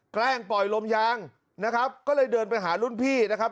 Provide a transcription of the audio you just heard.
แกล้งปล่อยลมยางนะครับก็เลยเดินไปหารุ่นพี่นะครับ